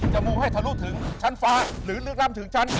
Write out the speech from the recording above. มูกให้ทะลุถึงชั้นฟ้าหรือลึกล้ำถึงชั้น